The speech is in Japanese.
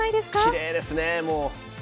きれいですね。